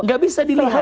gak bisa dilihat